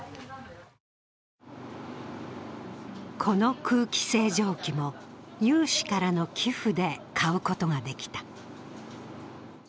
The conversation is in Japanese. この空気清浄機も有志からの寄付で買うことができた。